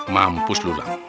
mampus lu lamu